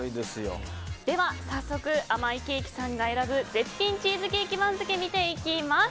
では早速あまいけいきさんが選ぶ絶品チーズケーキ番付見ていきます。